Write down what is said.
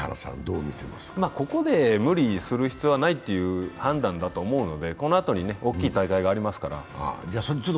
ここで無理する必要はないっていう判断だと思うのでこのあとに大きい大会がありますから。